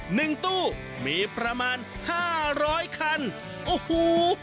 หนึ่งตู้มีประมาณห้าร้อยคันโอ้โห